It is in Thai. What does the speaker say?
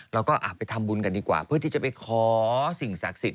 เราก็ไปทำบุญกันดีกว่าเพื่อที่จะไปขอสิ่งศักดิ์สิทธ